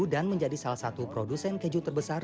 dan menjadi salah satu produsen keju terbesar